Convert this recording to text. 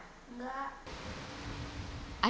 karena sulitnya menerapkan protokol kesehatan